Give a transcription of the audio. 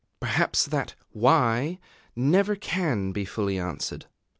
Perhaps that "Why?" never can be fully answered.